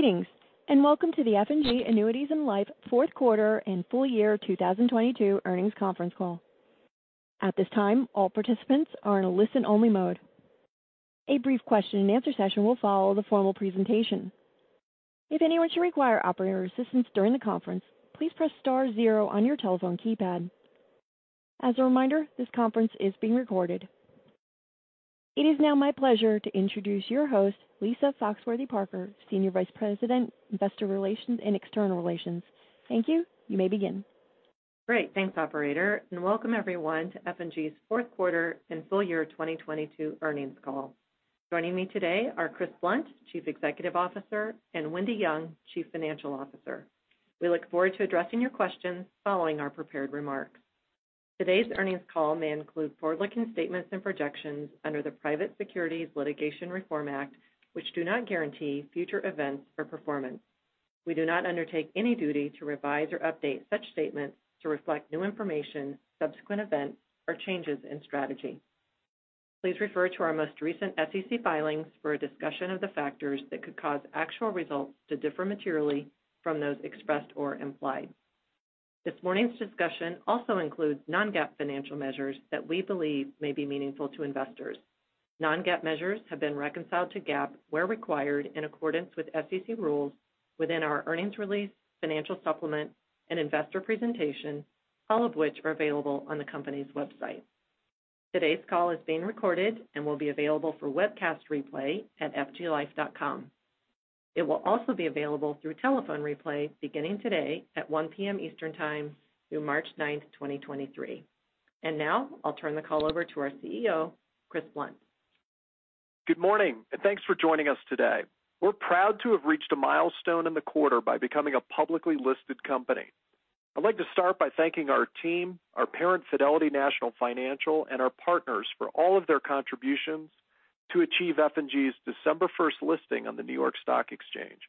Greetings, welcome to the F&G Annuities & Life fourth quarter and full year 2022 earnings conference call. At this time, all participants are in a listen-only mode. A brief question and answer session will follow the formal presentation. If anyone should require operator assistance during the conference, please press star zero on your telephone keypad. As a reminder, this conference is being recorded. It is now my pleasure to introduce your host, Lisa Foxworthy-Parker, Senior Vice President, Investor Relations and External Relations. Thank you. You may begin. Great. Thanks, operator, welcome everyone to F&G's fourth quarter and full year 2022 earnings call. Joining me today are Chris Blunt, Chief Executive Officer, and Wendy Young, Chief Financial Officer. We look forward to addressing your questions following our prepared remarks. Today's earnings call may include forward-looking statements and projections under the Private Securities Litigation Reform Act, which do not guarantee future events or performance. We do not undertake any duty to revise or update such statements to reflect new information, subsequent events, or changes in strategy. Please refer to our most recent SEC filings for a discussion of the factors that could cause actual results to differ materially from those expressed or implied. This morning's discussion also includes non-GAAP financial measures that we believe may be meaningful to investors. Non-GAAP measures have been reconciled to GAAP where required in accordance with SEC rules within our earnings release, financial supplement, and investor presentation, all of which are available on the company's website. Today's call is being recorded and will be available for webcast replay at fglife.com. It will also be available through telephone replay beginning today at 1:00 P.M. Eastern Time through March 9th, 2023. Now I'll turn the call over to our CEO, Chris Blunt. Good morning, thanks for joining us today. We're proud to have reached a milestone in the quarter by becoming a publicly listed company. I'd like to start by thanking our team, our parent, Fidelity National Financial, and our partners for all of their contributions to achieve F&G's December 1st listing on the New York Stock Exchange.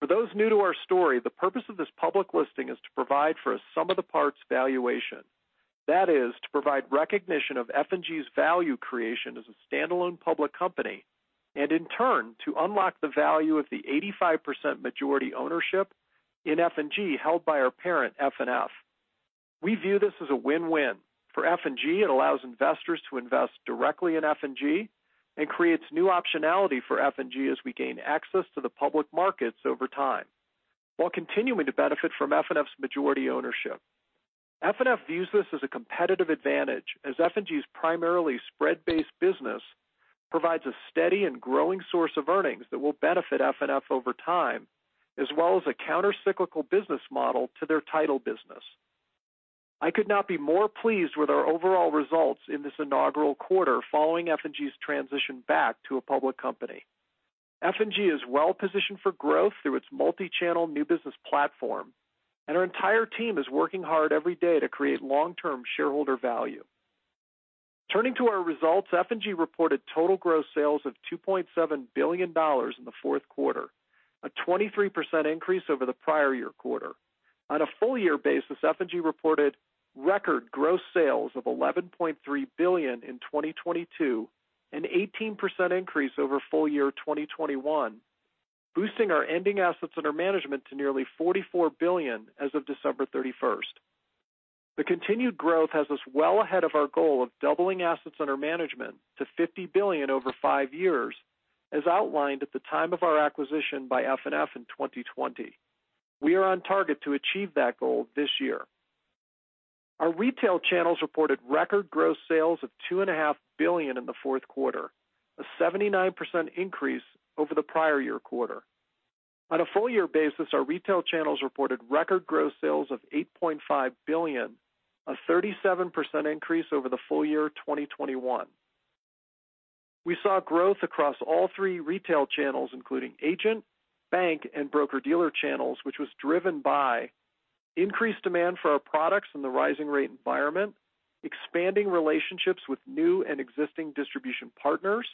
For those new to our story, the purpose of this public listing is to provide for a sum-of-the-parts valuation. That is, to provide recognition of F&G's value creation as a standalone public company, and in turn, to unlock the value of the 85% majority ownership in F&G held by our parent, FNF. We view this as a win-win. For F&G, it allows investors to invest directly in F&G and creates new optionality for F&G as we gain access to the public markets over time while continuing to benefit from FNF's majority ownership. FNF views this as a competitive advantage, as F&G's primarily spread-based business provides a steady and growing source of earnings that will benefit FNF over time, as well as a counter-cyclical business model to their title business. I could not be more pleased with our overall results in this inaugural quarter following F&G's transition back to a public company. F&G is well-positioned for growth through its multi-channel new business platform, and our entire team is working hard every day to create long-term shareholder value. Turning to our results, F&G reported total gross sales of $2.7 billion in the fourth quarter, a 23% increase over the prior year quarter. On a full-year basis, F&G reported record gross sales of $11.3 billion in 2022, an 18% increase over full year 2021, boosting our ending assets under management to nearly $44 billion as of December 31st. The continued growth has us well ahead of our goal of doubling assets under management to $50 billion over five years, as outlined at the time of our acquisition by FNF in 2020. We are on target to achieve that goal this year. Our retail channels reported record gross sales of $2.5 billion in the fourth quarter, a 79% increase over the prior year quarter. On a full-year basis, our retail channels reported record gross sales of $8.5 billion, a 37% increase over the full year 2021. We saw growth across all three retail channels, including agent, bank, and broker-dealer channels, which was driven by increased demand for our products in the rising rate environment, expanding relationships with new and existing distribution partners,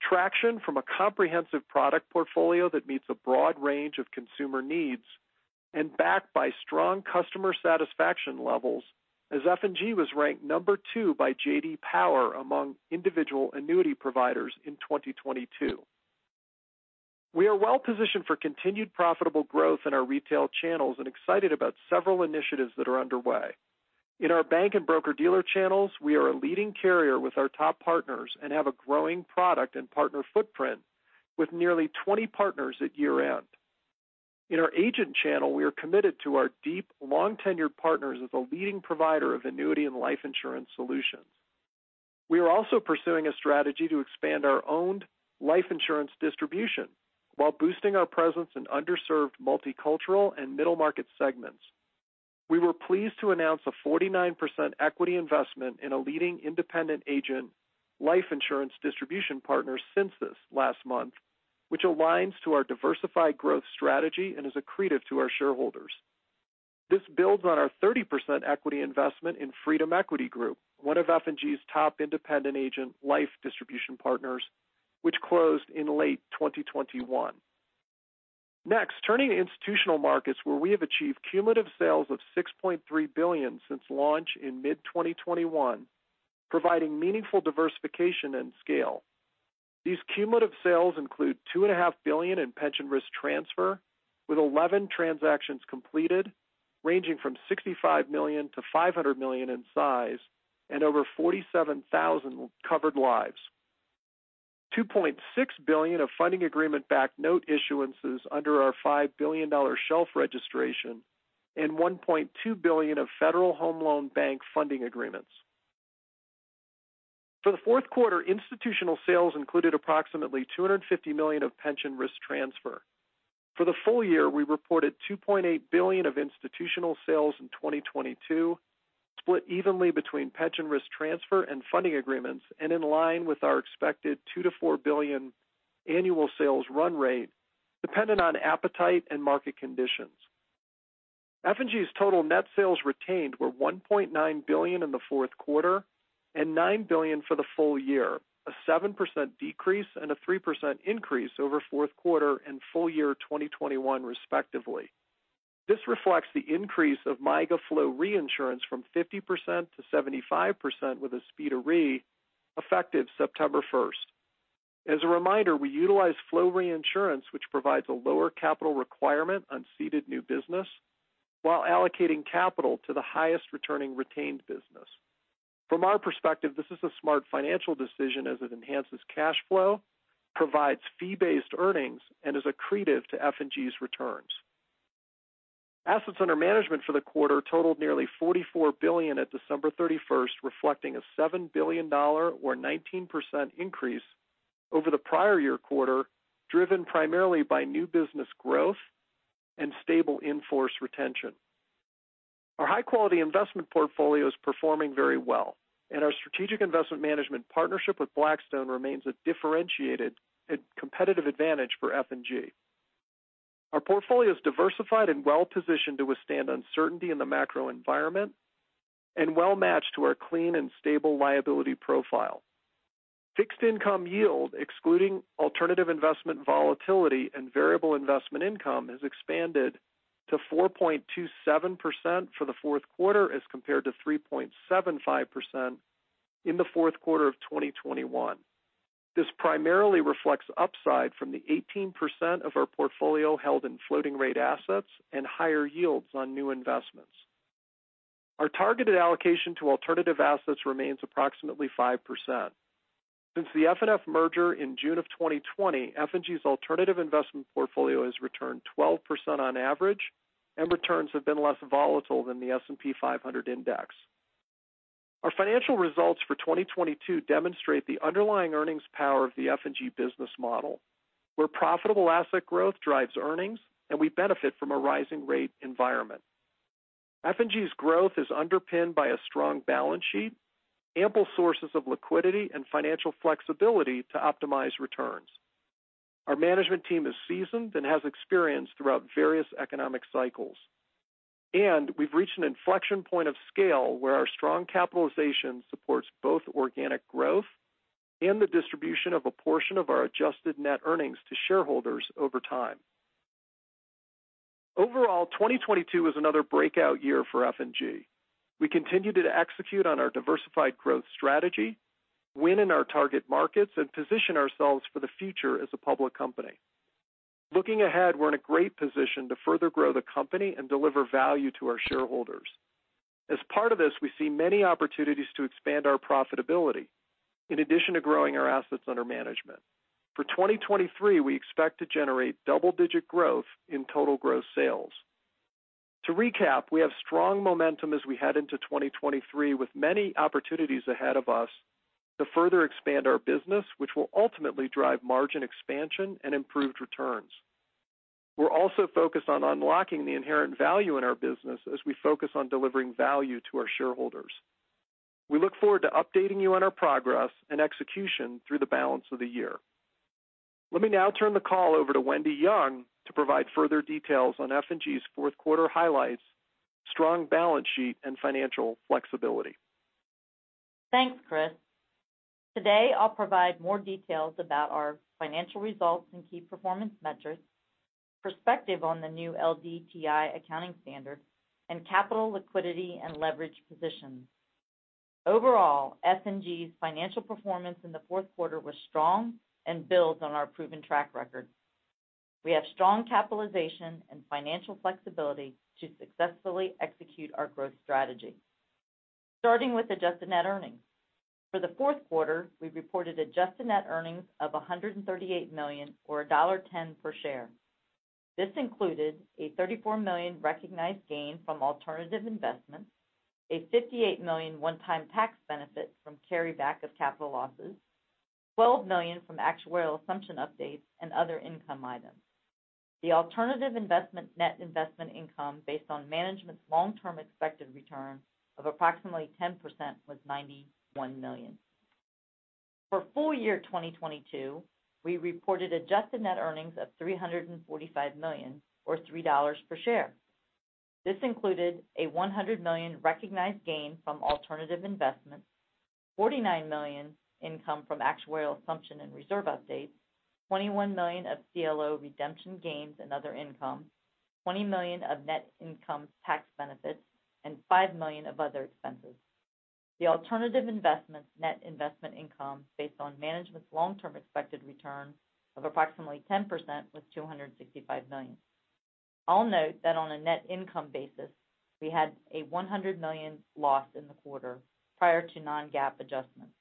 traction from a comprehensive product portfolio that meets a broad range of consumer needs, and backed by strong customer satisfaction levels as F&G was ranked number two by J.D. Power among individual annuity providers in 2022. We are well-positioned for continued profitable growth in our retail channels and excited about several initiatives that are underway. In our bank and broker-dealer channels, we are a leading carrier with our top partners and have a growing product and partner footprint with nearly 20 partners at year-end. In our agent channel, we are committed to our deep, long-tenured partners as a leading provider of annuity and life insurance solutions. We are also pursuing a strategy to expand our owned life insurance distribution while boosting our presence in underserved multicultural and middle-market segments. We were pleased to announce a 49% equity investment in a leading independent agent life insurance distribution partner, Syncis, last month, which aligns to our diversified growth strategy and is accretive to our shareholders. This builds on our 30% equity investment in Freedom Equity Group, one of F&G's top independent agent life distribution partners, which closed in late 2021. Turning to institutional markets, where we have achieved cumulative sales of $6.3 billion since launch in mid-2021. Providing meaningful diversification and scale. These cumulative sales include $2.5 billion in pension risk transfer, with 11 transactions completed ranging from $65 million to $500 million in size and over 47,000 covered lives. $2.6 billion of funding agreement-backed note issuances under our $5 billion shelf registration, and $1.2 billion of Federal Home Loan Bank funding agreements. For the fourth quarter, institutional sales included approximately $250 million of pension risk transfer. For the full year, we reported $2.8 billion of institutional sales in 2022, split evenly between pension risk transfer and funding agreements, and in line with our expected $2 billion to $4 billion annual sales run rate, dependent on appetite and market conditions. F&G's total net sales retained were $1.9 billion in the fourth quarter and $9 billion for the full year, a 7% decrease and a 3% increase over fourth quarter and full year 2021, respectively. This reflects the increase of MYGA flow reinsurance from 50% to 75% with Aspida Re, effective September 1st. As a reminder, we utilize flow reinsurance, which provides a lower capital requirement on ceded new business while allocating capital to the highest returning retained business. From our perspective, this is a smart financial decision as it enhances cash flow, provides fee-based earnings, and is accretive to F&G's returns. Assets under management for the quarter totaled nearly $44 billion at December 31st, reflecting a $7 billion or 19% increase over the prior year quarter, driven primarily by new business growth and stable in-force retention. Our high-quality investment portfolio is performing very well, and our strategic investment management partnership with Blackstone remains a differentiated competitive advantage for F&G. Our portfolio is diversified and well-positioned to withstand uncertainty in the macro environment and well-matched to our clean and stable liability profile. Fixed income yield, excluding alternative investment volatility and variable investment income, has expanded to 4.27% for the fourth quarter as compared to 3.75% in the fourth quarter of 2021. This primarily reflects upside from the 18% of our portfolio held in floating rate assets and higher yields on new investments. Our targeted allocation to alternative assets remains approximately 5%. Since the FNF merger in June of 2020, F&G's alternative investment portfolio has returned 12% on average, and returns have been less volatile than the S&P 500 Index. Our financial results for 2022 demonstrate the underlying earnings power of the F&G business model, where profitable asset growth drives earnings, and we benefit from a rising rate environment. F&G's growth is underpinned by a strong balance sheet, ample sources of liquidity, and financial flexibility to optimize returns. Our management team is seasoned and has experience throughout various economic cycles. We've reached an inflection point of scale where our strong capitalization supports both organic growth and the distribution of a portion of our adjusted net earnings to shareholders over time. Overall, 2022 was another breakout year for F&G. We continued to execute on our diversified growth strategy, win in our target markets, and position ourselves for the future as a public company. Looking ahead, we're in a great position to further grow the company and deliver value to our shareholders. As part of this, we see many opportunities to expand our profitability, in addition to growing our assets under management. For 2023, we expect to generate double-digit growth in total gross sales. To recap, we have strong momentum as we head into 2023 with many opportunities ahead of us to further expand our business, which will ultimately drive margin expansion and improved returns. We're also focused on unlocking the inherent value in our business as we focus on delivering value to our shareholders. We look forward to updating you on our progress and execution through the balance of the year. Let me now turn the call over to Wendy Young to provide further details on F&G's fourth quarter highlights, strong balance sheet, and financial flexibility. Thanks, Chris. Today, I'll provide more details about our financial results and key performance metrics, perspective on the new LDTI accounting standard, and capital liquidity and leverage positions. Overall, F&G's financial performance in the fourth quarter was strong and builds on our proven track record. We have strong capitalization and financial flexibility to successfully execute our growth strategy. Starting with adjusted net earnings. For the fourth quarter, we reported adjusted net earnings of $138 million, or $1.10 per share. This included a $34 million recognized gain from alternative investments, a $58 million one-time tax benefit from carryback of capital losses, $12 million from actuarial assumption updates and other income items. The alternative investment net investment income, based on management's long-term expected return of approximately 10%, was $91 million. For full year 2022, we reported adjusted net earnings of $345 million, or $3.00 per share. This included a $100 million recognized gain from alternative investments, $49 million income from actuarial assumption and reserve updates, $21 million of CLO redemption gains and other income. $20 million of net income tax benefits and $5 million of other expenses. The alternative investments net investment income based on management's long-term expected return of approximately 10% was $265 million. I'll note that on a net income basis, we had a $100 million loss in the quarter prior to non-GAAP adjustments,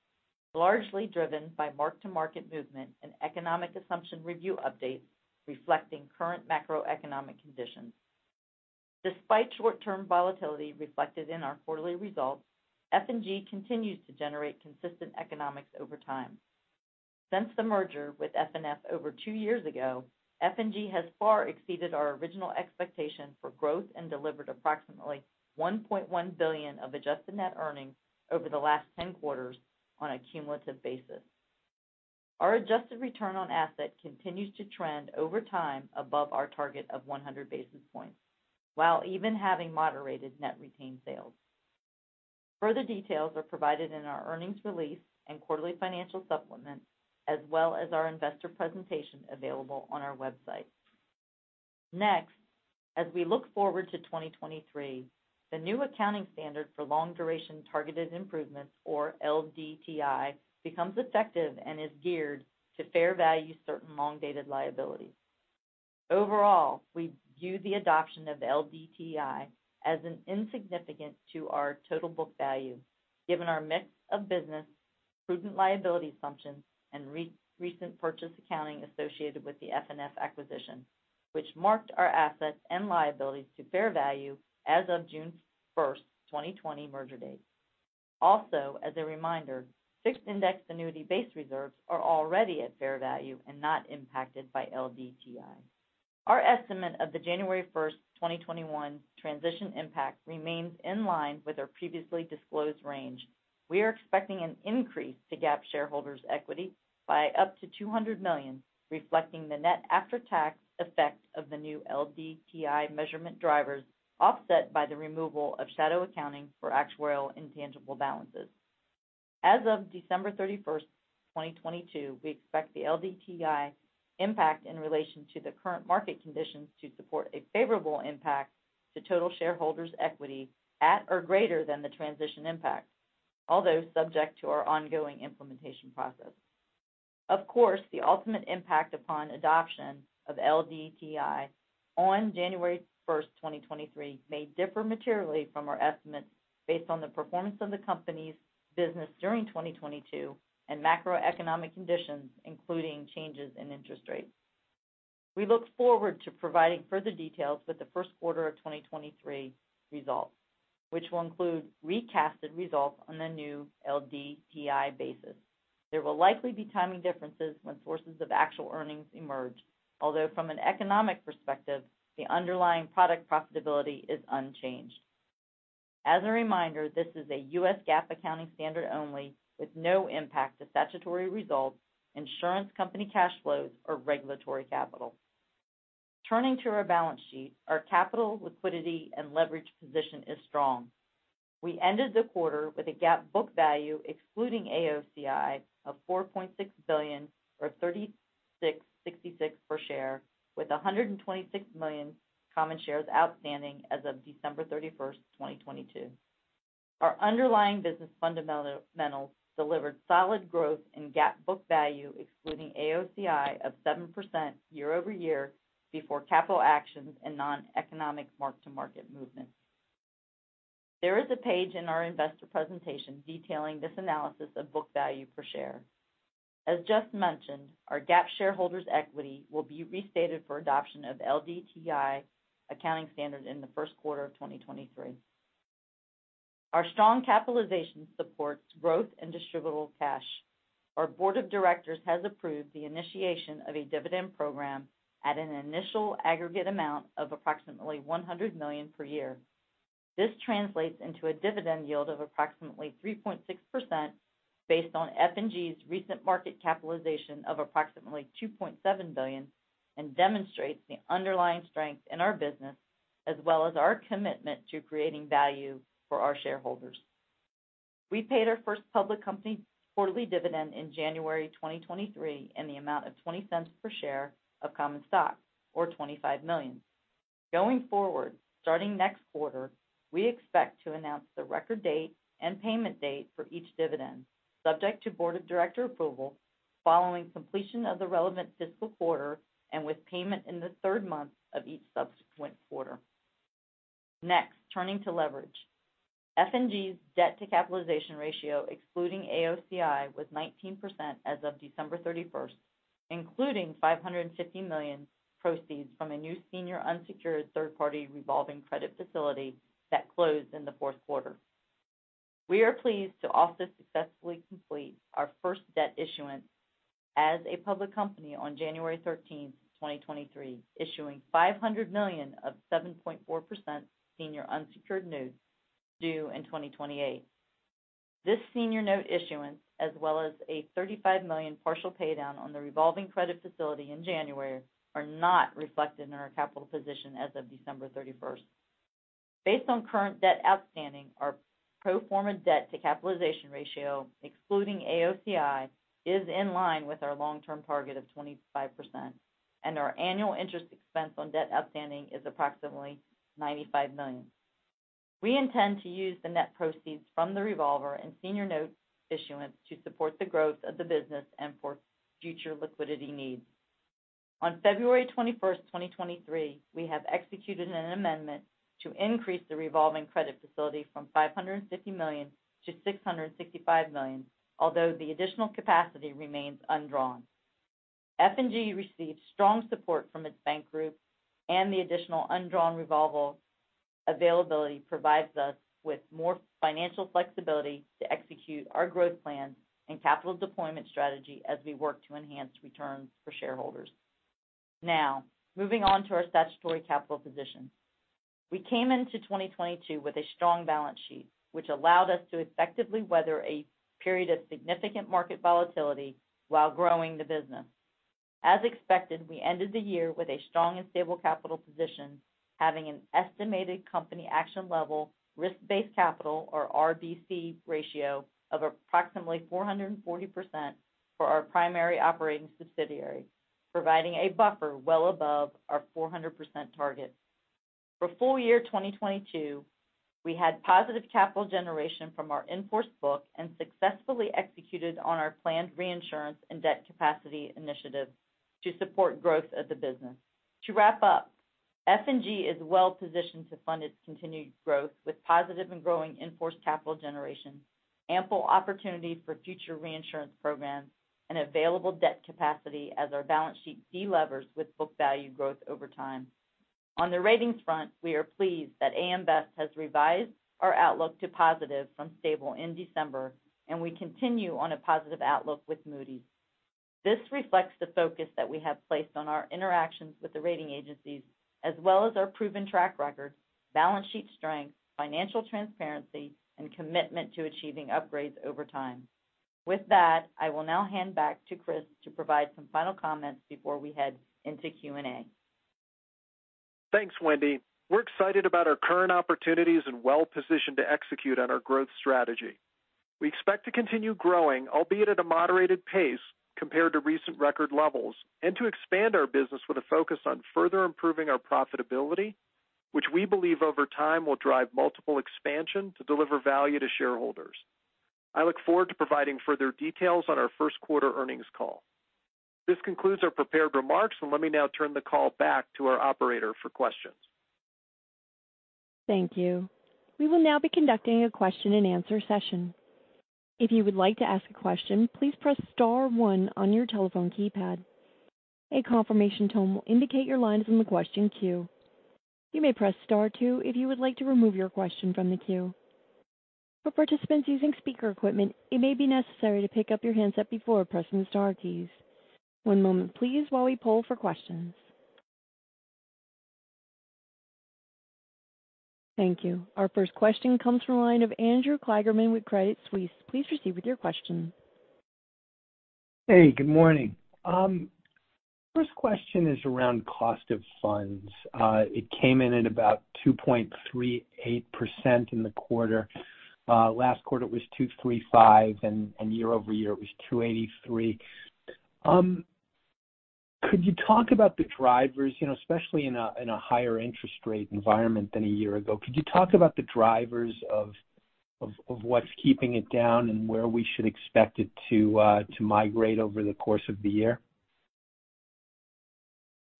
largely driven by mark-to-market movement and economic assumption review updates reflecting current macroeconomic conditions. Despite short-term volatility reflected in our quarterly results, F&G continues to generate consistent economics over time. Since the merger with FNF over two years ago, F&G has far exceeded our original expectation for growth and delivered approximately $1.1 billion of adjusted net earnings over the last 10 quarters on a cumulative basis. Our adjusted return on asset continues to trend over time above our target of 100 basis points while even having moderated net retained sales. Further details are provided in our earnings release and Quarterly Financial Supplement, as well as our investor presentation available on our website. As we look forward to 2023, the new accounting standard for Long-Duration Targeted Improvements, or LDTI, becomes effective and is geared to fair value certain long-dated liabilities. Overall, we view the adoption of LDTI as insignificant to our total book value given our mix of business, prudent liability assumptions, and recent purchase accounting associated with the FNF acquisition, which marked our assets and liabilities to fair value as of June 1st, 2020 merger date. Also, as a reminder, fixed indexed annuity base reserves are already at fair value and not impacted by LDTI. Our estimate of the January 1st, 2021 transition impact remains in line with our previously disclosed range. We are expecting an increase to GAAP shareholders' equity by up to $200 million, reflecting the net after-tax effect of the new LDTI measurement drivers, offset by the removal of shadow accounting for actuarial intangible balances. As of December 31st, 2022, we expect the LDTI impact in relation to the current market conditions to support a favorable impact to total shareholders' equity at or greater than the transition impact, although subject to our ongoing implementation process. Of course, the ultimate impact upon adoption of LDTI on January 1st, 2023 may differ materially from our estimates based on the performance of the company's business during 2022 and macroeconomic conditions, including changes in interest rates. We look forward to providing further details with the first quarter of 2023 results, which will include recasted results on the new LDTI basis. There will likely be timing differences when sources of actual earnings emerge, although from an economic perspective, the underlying product profitability is unchanged. As a reminder, this is a U.S. GAAP accounting standard only with no impact to statutory results, insurance company cash flows, or regulatory capital. Turning to our balance sheet, our capital liquidity and leverage position is strong. We ended the quarter with a GAAP book value excluding AOCI of $4.6 billion or $36.66 per share, with 126 million common shares outstanding as of December 31st, 2022. Our underlying business fundamentals delivered solid growth in GAAP book value, excluding AOCI of 7% year-over-year before capital actions and noneconomic mark-to-market movement. There is a page in our investor presentation detailing this analysis of book value per share. As just mentioned, our GAAP shareholders' equity will be restated for adoption of LDTI accounting standard in the first quarter of 2023. Our strong capitalization supports growth and distributable cash. Our board of directors has approved the initiation of a dividend program at an initial aggregate amount of approximately $100 million per year. This translates into a dividend yield of approximately 3.6% based on F&G's recent market capitalization of approximately $2.7 billion and demonstrates the underlying strength in our business as well as our commitment to creating value for our shareholders. We paid our first public company quarterly dividend in January 2023 in the amount of $0.20 per share of common stock, or $25 million. Going forward, starting next quarter, we expect to announce the record date and payment date for each dividend, subject to board of director approval, following completion of the relevant fiscal quarter and with payment in the third month of each subsequent quarter. Turning to leverage. F&G's debt to capitalization ratio excluding AOCI was 19% as of December 31st, including $550 million proceeds from a new senior unsecured third-party revolving credit facility that closed in the fourth quarter. We are pleased to also successfully complete our first debt issuance as a public company on January 13th, 2023, issuing $500 million of 7.4% senior unsecured notes due in 2028. This senior note issuance, as well as a $35 million partial paydown on the revolving credit facility in January, are not reflected in our capital position as of December 31st. Based on current debt outstanding, our pro forma debt to capitalization ratio, excluding AOCI, is in line with our long-term target of 25%, and our annual interest expense on debt outstanding is approximately $95 million. We intend to use the net proceeds from the revolver and senior note issuance to support the growth of the business and for future liquidity needs. On February 21st, 2023, we have executed an amendment to increase the revolving credit facility from $550 million to $665 million, although the additional capacity remains undrawn. F&G received strong support from its bank group, and the additional undrawn revolver availability provides us with more financial flexibility to execute our growth plan and capital deployment strategy as we work to enhance returns for shareholders. Moving on to our statutory capital position. We came into 2022 with a strong balance sheet, which allowed us to effectively weather a period of significant market volatility while growing the business. As expected, we ended the year with a strong and stable capital position, having an estimated company action level risk-based capital, or RBC ratio, of approximately 440% for our primary operating subsidiary, providing a buffer well above our 400% target. For full year 2022, we had positive capital generation from our in-force book and successfully executed on our planned reinsurance and debt capacity initiative to support growth of the business. To wrap up, F&G is well positioned to fund its continued growth with positive and growing in-force capital generation, ample opportunity for future reinsurance programs, and available debt capacity as our balance sheet de-levers with book value growth over time. On the ratings front, we are pleased that AM Best has revised our outlook to positive from stable in December, and we continue on a positive outlook with Moody's. This reflects the focus that we have placed on our interactions with the rating agencies as well as our proven track record, balance sheet strength, financial transparency, and commitment to achieving upgrades over time. With that, I will now hand back to Chris to provide some final comments before we head into Q&A. Thanks, Wendy. We're excited about our current opportunities and well-positioned to execute on our growth strategy. We expect to continue growing, albeit at a moderated pace compared to recent record levels, and to expand our business with a focus on further improving our profitability, which we believe over time will drive multiple expansion to deliver value to shareholders. I look forward to providing further details on our first quarter earnings call. This concludes our prepared remarks, let me now turn the call back to our operator for questions. Thank you. We will now be conducting a question and answer session. If you would like to ask a question, please press star one on your telephone keypad. A confirmation tone will indicate your line is in the question queue. You may press star two if you would like to remove your question from the queue. For participants using speaker equipment, it may be necessary to pick up your handset before pressing the star keys. One moment please while we poll for questions. Thank you. Our first question comes from the line of Andrew Kligerman with Credit Suisse. Please proceed with your question. Hey, good morning. First question is around cost of funds. It came in at about 2.38% in the quarter. Last quarter it was 2.35%, and year-over-year it was 2.83%. Could you talk about the drivers, you know, especially in a higher interest rate environment than a year ago, could you talk about the drivers of what's keeping it down and where we should expect it to migrate over the course of the year?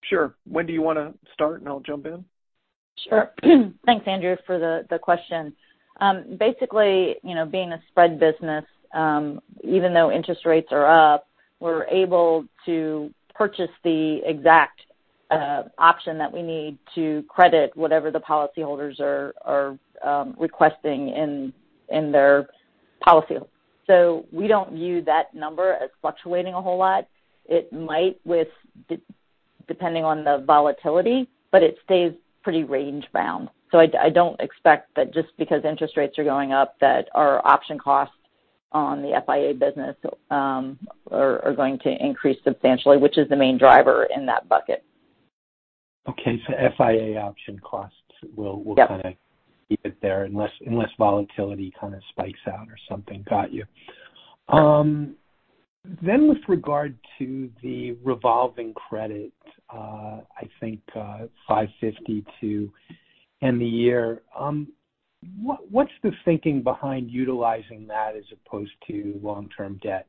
Sure. Wendy, you want to start and I'll jump in? Sure. Thanks, Andrew, for the question. Basically, you know, being a spread business, even though interest rates are up, we're able to purchase the exact option that we need to credit whatever the policyholders are requesting in their policy. We don't view that number as fluctuating a whole lot. It might depending on the volatility, but it stays pretty range-bound. I don't expect that just because interest rates are going up, that our option costs on the FIA business are going to increase substantially, which is the main driver in that bucket. Okay. FIA option costs. Yep will kind of keep it there unless volatility kind of spikes out or something. Got you. With regard to the revolving credit, I think, $552 end the year, what's the thinking behind utilizing that as opposed to long-term debt?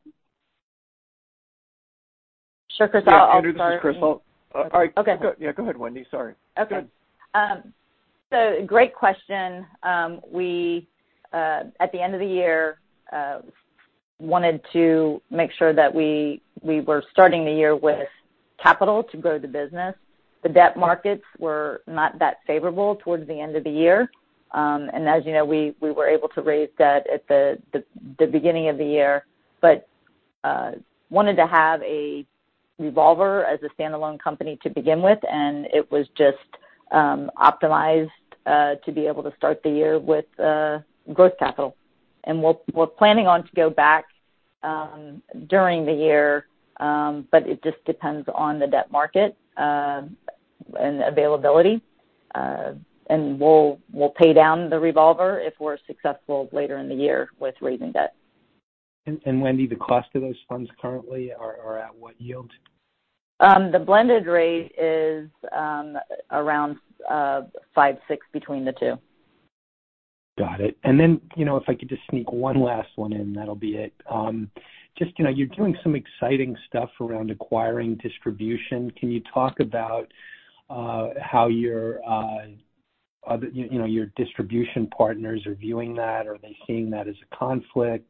Sure, Chris, I'll start. Yeah, Andrew, this is Chris. Okay. All right. Go ahead, Wendy. Sorry. Okay. Go ahead. Great question. We at the end of the year wanted to make sure that we were starting the year with capital to grow the business. The debt markets were not that favorable towards the end of the year. As you know, we were able to raise debt at the beginning of the year, wanted to have a revolver as a standalone company to begin with, it was just optimized to be able to start the year with growth capital. We're planning on to go back During the year, it just depends on the debt market and availability. We'll pay down the revolver if we're successful later in the year with raising debt. Wendy, the cost of those funds currently are at what yield? The blended rate is around 5.6% between the two. Got it. If I could just sneak one last one in, that'll be it. You're doing some exciting stuff around acquiring distribution. Can you talk about how your distribution partners are viewing that? Are they seeing that as a conflict?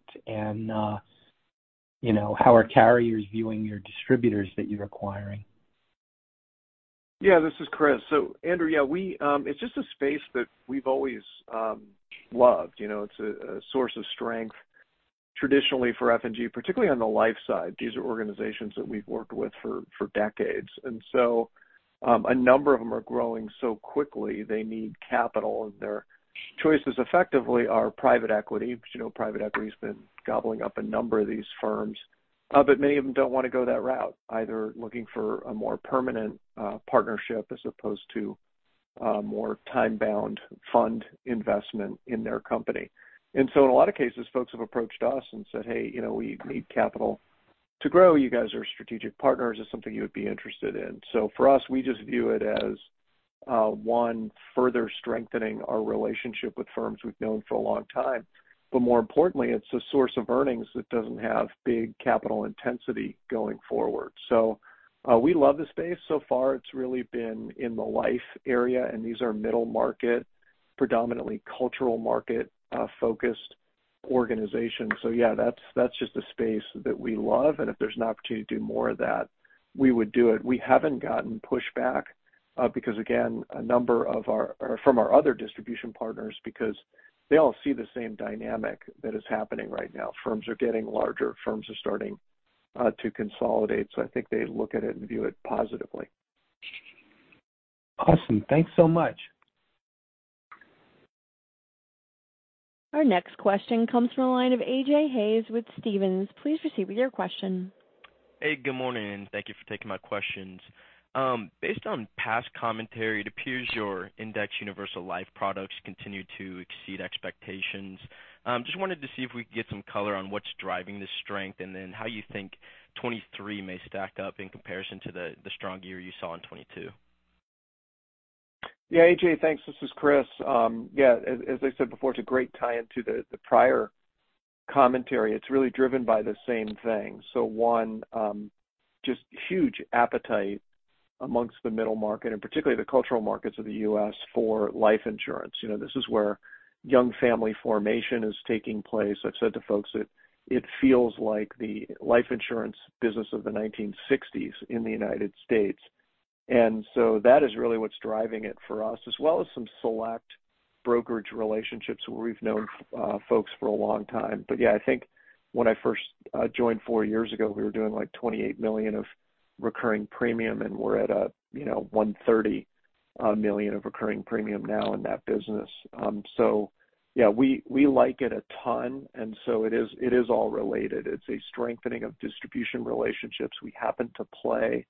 How are carriers viewing your distributors that you're acquiring? Yeah, this is Chris. Andrew, yeah, it's just a space that we've always loved. It's a source of strength traditionally for F&G, particularly on the life side. These are organizations that we've worked with for decades. A number of them are growing so quickly, they need capital, and their choices effectively are private equity. Private equity's been gobbling up a number of these firms. Many of them don't want to go that route, either looking for a more permanent partnership as opposed to a more time-bound fund investment in their company. In a lot of cases, folks have approached us and said, "Hey, we need capital to grow. You guys are strategic partners. Is this something you would be interested in?" For us, we just view it as one, further strengthening our relationship with firms we've known for a long time. More importantly, it's a source of earnings that doesn't have big capital intensity going forward. We love the space. So far it's really been in the life area, and these are middle market, predominantly cultural market focused organizations. Yeah, that's just a space that we love, and if there's an opportunity to do more of that, we would do it. We haven't gotten pushback because again, a number from our other distribution partners because they all see the same dynamic that is happening right now. Firms are getting larger. Firms are starting to consolidate. I think they look at it and view it positively. Awesome. Thanks so much. Our next question comes from the line of AJ Hayes with Stephens. Please proceed with your question. Hey, good morning. Thank you for taking my questions. Based on past commentary, it appears your indexed universal life products continue to exceed expectations. Just wanted to see if we could get some color on what's driving this strength, and then how you think 2023 may stack up in comparison to the strong year you saw in 2022. AJ, thanks. This is Chris. As I said before, it's a great tie-in to the prior commentary. It's really driven by the same thing. One, just huge appetite amongst the middle market and particularly the cultural markets of the U.S. for life insurance. This is where young family formation is taking place. I've said to folks that it feels like the life insurance business of the 1960s in the United States. That is really what's driving it for us, as well as some select brokerage relationships where we've known folks for a long time. I think when I first joined four years ago, we were doing like $28 million of recurring premium, and we're at $130 million of recurring premium now in that business. We like it a ton. It is all related. It's a strengthening of distribution relationships. We happen to play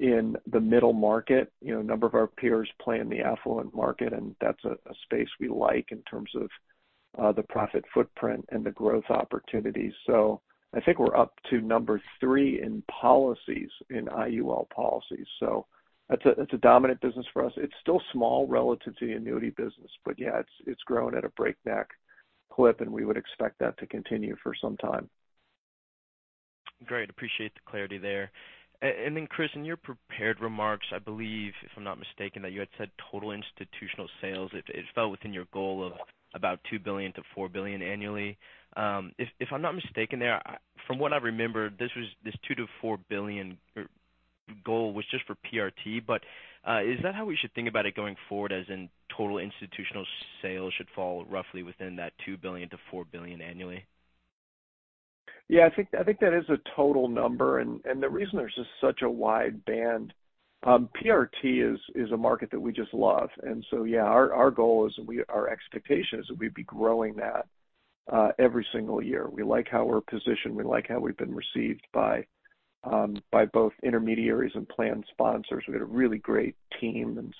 in the middle market. A number of our peers play in the affluent market. That's a space we like in terms of the profit footprint and the growth opportunities. I think we're up to number 3 in policies in IUL policies. That's a dominant business for us. It's still small relative to the annuity business. It's growing at a breakneck clip, and we would expect that to continue for some time. Great. Appreciate the clarity there. Chris, in your prepared remarks, I believe, if I'm not mistaken, that you had said total institutional sales, it fell within your goal of about $2 billion-$4 billion annually. If I'm not mistaken there, from what I remember, this $2 billion-$4 billion goal was just for PRT. Is that how we should think about it going forward, as in total institutional sales should fall roughly within that $2 billion-$4 billion annually? I think that is a total number. The reason there's just such a wide band. PRT is a market that we just love. Our goal is, our expectation is that we'd be growing that every single year. We like how we're positioned. We like how we've been received by both intermediaries and plan sponsors. We've got a really great team.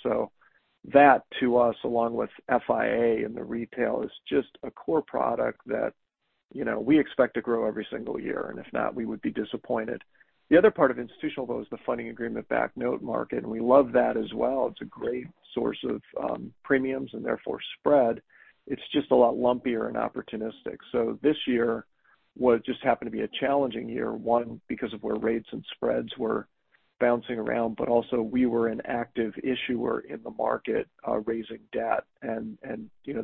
That to us, along with FIA and the retail, is just a core product that we expect to grow every single year. If not, we would be disappointed. The other part of institutional, though, is the funding agreement-backed note market. We love that as well. It's a great source of premiums and therefore spread. It's just a lot lumpier and opportunistic. This year, what just happened to be a challenging year, one, because of where rates and spreads were bouncing around, but also we were an active issuer in the market raising debt, and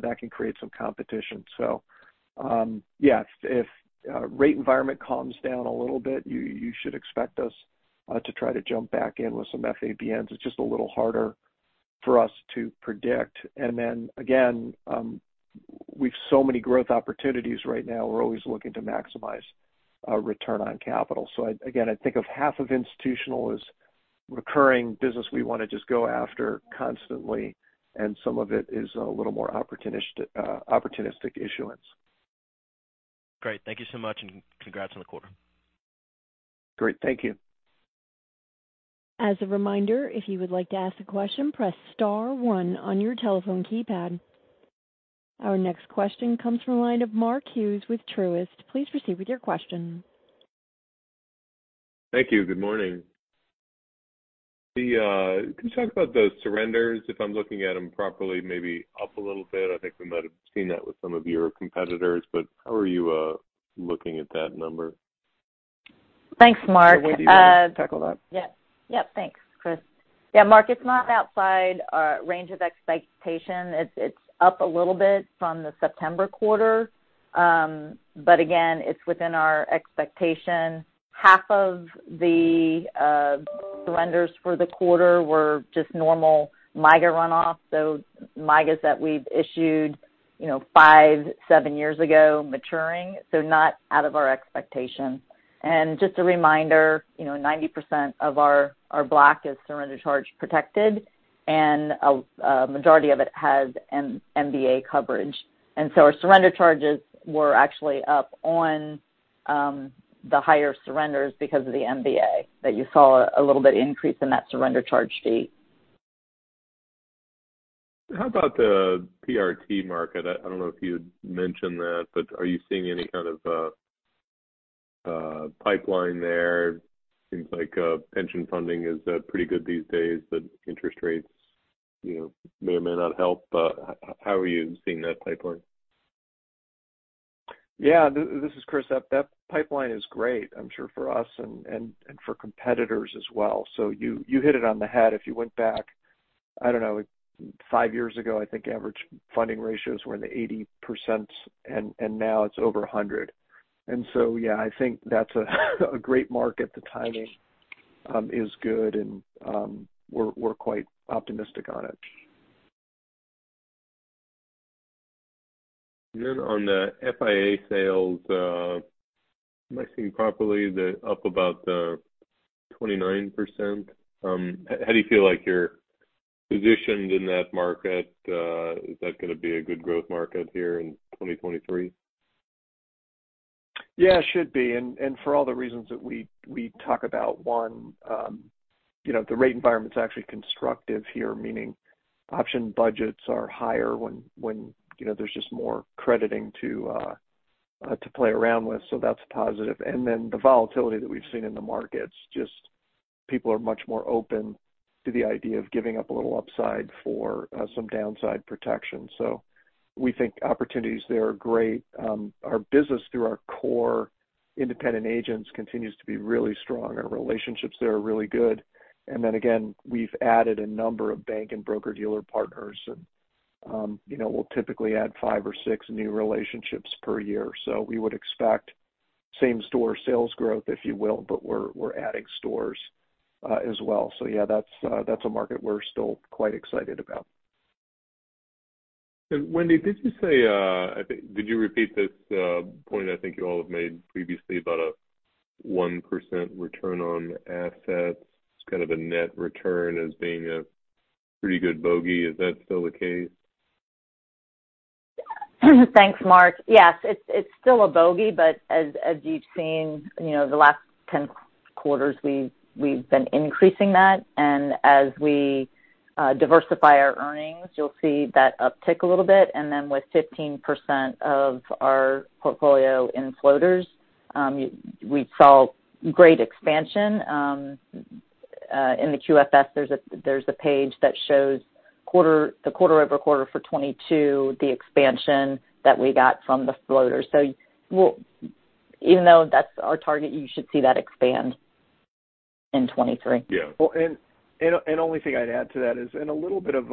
that can create some competition. Yeah, if rate environment calms down a little bit, you should expect us to try to jump back in with some FABNs. It's just a little harder for us to predict. Again, we've so many growth opportunities right now. We're always looking to maximize our return on capital. Again, I think of half of institutional as Recurring business we want to just go after constantly, and some of it is a little more opportunistic issuance. Great. Thank you so much, congrats on the quarter. Great. Thank you. As a reminder, if you would like to ask a question, press star one on your telephone keypad. Our next question comes from the line of Mark Hughes with Truist. Please proceed with your question. Thank you. Good morning. Can you talk about those surrenders, if I'm looking at them properly, maybe up a little bit? I think we might have seen that with some of your competitors, how are you looking at that number? Thanks, Mark. Way do you guys tackle that? Thanks, Chris. Mark, it's not outside our range of expectation. It's up a little bit from the September quarter. Again, it's within our expectation. Half of the surrenders for the quarter were just normal MYGA runoff, so MYGAs that we've issued five, seven years ago maturing, so not out of our expectation. Just a reminder, 90% of our block is surrender charge protected, and a majority of it has MVA coverage. So our surrender charges were actually up on the higher surrenders because of the MVA that you saw a little bit increase in that surrender charge fee. How about the PRT market? I don't know if you'd mentioned that, are you seeing any kind of pipeline there? Seems like pension funding is pretty good these days, interest rates may or may not help. How are you seeing that pipeline? Yeah. This is Chris. That pipeline is great, I'm sure for us and for competitors as well. You hit it on the head. If you went back, I don't know, five years ago, I think average funding ratios were in the 80%, now it's over 100. Yeah, I think that's a great market. The timing is good, we're quite optimistic on it. On the FIA sales, am I seeing properly they're up about 29%? How do you feel like you're positioned in that market? Is that going to be a good growth market here in 2023? Yeah, should be. For all the reasons that we talk about. One, the rate environment's actually constructive here, meaning option budgets are higher when there's just more crediting to play around with, that's a positive. The volatility that we've seen in the markets, just people are much more open to the idea of giving up a little upside for some downside protection. We think opportunities there are great. Our business through our core independent agents continues to be really strong. Our relationships there are really good. Again, we've added a number of bank and broker-dealer partners, we'll typically add five or six new relationships per year. We would expect same-store sales growth, if you will, we're adding stores as well. Yeah, that's a market we're still quite excited about. Wendy, did you say, did you repeat this point I think you all have made previously about a 1% return on assets, kind of a net return as being a pretty good bogey? Is that still the case? Thanks, Mark. Yes, it's still a bogey, as you've seen the last 10 quarters, we've been increasing that. As we diversify our earnings, you'll see that uptick a little bit. With 15% of our portfolio in floaters, we saw great expansion. In the QFS, there's a page that shows the quarter-over-quarter for 2022, the expansion that we got from the floaters. Even though that's our target, you should see that expand in 2023. Yeah. Well, only thing I'd add to that is, and a little bit of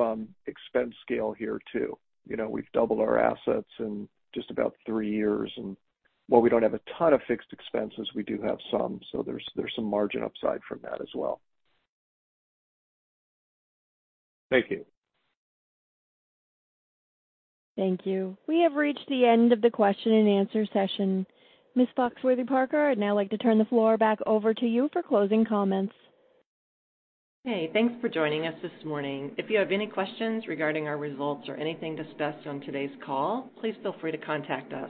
expense scale here, too. We've doubled our assets in just about three years, while we don't have a ton of fixed expenses, we do have some, There's some margin upside from that as well. Thank you. Thank you. We have reached the end of the question and answer session. Ms. Lisa Foxworthy-Parker, I'd now like to turn the floor back over to you for closing comments. Okay. Thanks for joining us this morning. If you have any questions regarding our results or anything discussed on today's call, please feel free to contact us.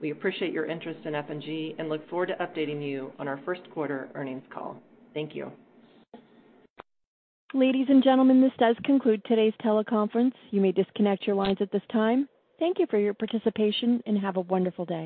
We appreciate your interest in F&G. Look forward to updating you on our first quarter earnings call. Thank you. Ladies and gentlemen, this does conclude today's teleconference. You may disconnect your lines at this time. Thank you for your participation. Have a wonderful day.